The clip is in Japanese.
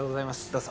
どうぞ